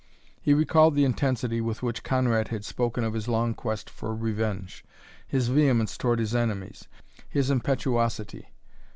He recalled the intensity with which Conrad had spoken of his long quest for revenge, his vehemence toward his enemies, his impetuosity.